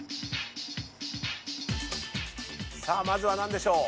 さあまずは何でしょう？